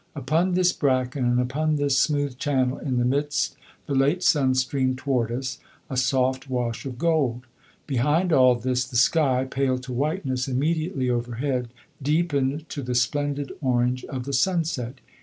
Upon this bracken, and upon this smooth channel in the midst the late sun streamed toward us, a soft wash of gold. Behind all this the sky, pale to whiteness immediately overhead, deepened to the splendid orange of the sunset.